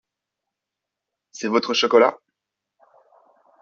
C’est votre chocolat ?